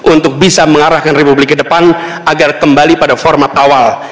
untuk bisa mengarahkan republik ke depan agar kembali pada format awal